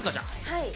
はい。